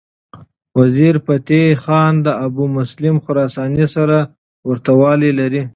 وزیرفتح خان د ابومسلم خراساني سره ورته والی لري.